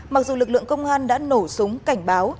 mặc dù lực lượng công an đã nổ súng cảnh báo